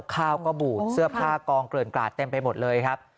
ข้าวก็บูดเสื้อผ้ากองเกลือนกราดเต็มไปหมดเลยครับ